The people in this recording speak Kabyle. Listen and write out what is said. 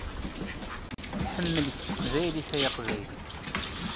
Ḥemmel s teqbaylit ay aqbayli!